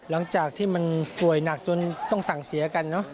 หลังจากที่มันป่วยหนักจนต้องสั่งเสียกันเนอะ